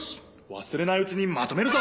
わすれないうちにまとめるぞ！